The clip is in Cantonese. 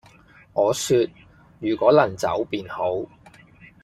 我說......如果能走便好，